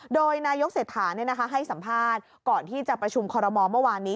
โดยนายกเศรษฐาให้สัมภาษณ์ก่อนที่จะประชุมคอรมอลเมื่อวานนี้